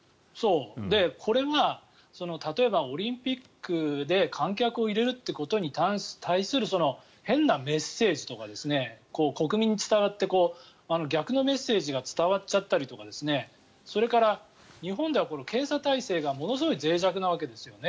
これが例えば、オリンピックで観客を入れるということに対する変なメッセージとか国民に伝わって逆のメッセージが伝わっちゃったりとかそれから日本では検査体制がものすごくぜい弱なわけですよね。